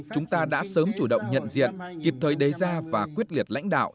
chúng ta đã sớm chủ động nhận diện kịp thời đề ra và quyết liệt lãnh đạo